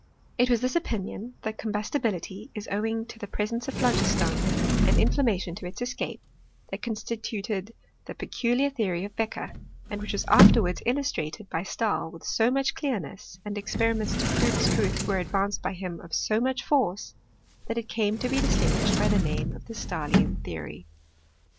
It was this opinion that combustibility is owing to the presence of phlogiston, and inflammation to its escape, that constituted the peculiar theory of Beccher, and which was afterwards illustrated by Stahl with so much clearness, and experiments to prove its truth were ad vanced by him of so much force, that it came to be distinguished by the name of the Stahlian theory.